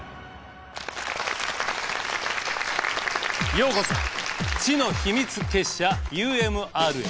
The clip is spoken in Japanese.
ようこそ知の秘密結社ＵＭＲへ。